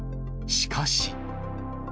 しかし。